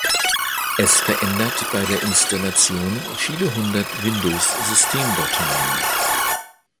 Es verändert bei der Installation viele hundert Windows-Systemdateien.